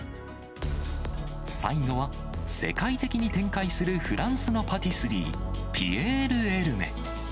最後は、世界的に展開するフランスのパティスリー、ピエール・エルメ。